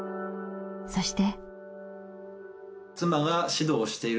そして。